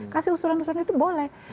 kasih usulan usulan itu boleh